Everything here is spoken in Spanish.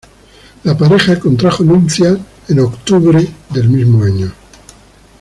La pareja contrajo nupcias en octubre del mismo año.